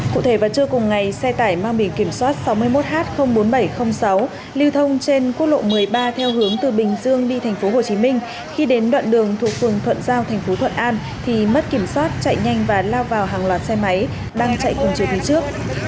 cụ thể vào trưa cùng ngày xe tải mang biển kiểm soát sáu mươi một h bốn nghìn bảy trăm linh sáu lưu thông trên quốc lộ một mươi ba theo hướng từ bình dương đi tp hcm khi đến đoạn đường thuộc phường thuận giao thành phố thuận an thì mất kiểm soát chạy nhanh và lao vào hàng loạt xe máy đang chạy cùng chiều phía trước